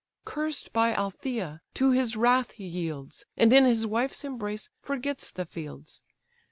"Cursed by Althaea, to his wrath he yields, And in his wife's embrace forgets the fields.